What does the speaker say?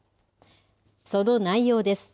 その内容です。